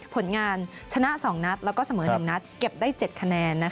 ผลงานชนะ๒นัดแล้วก็เสมอ๑นัดเก็บได้๗คะแนน